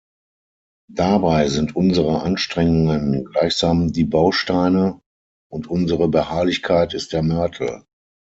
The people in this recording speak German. Dabei sind unsere Anstrengungen gleichsam die Bausteine, und unsere Beharrlichkeit ist der Mörtel.